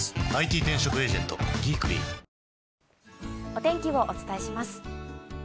お天気をお伝えします。